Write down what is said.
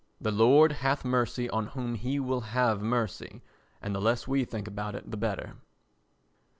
The Lord hath mercy on whom he will have mercy and the less we think about it the better.